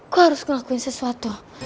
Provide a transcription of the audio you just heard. gue harus ngelakuin sesuatu